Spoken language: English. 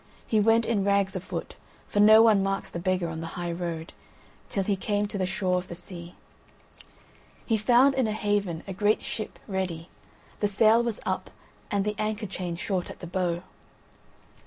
He went in rags afoot (for no one marks the beggar on the high road) till he came to the shore of the sea. He found in a haven a great ship ready, the sail was up and the anchor chain short at the bow.